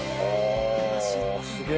すげえ。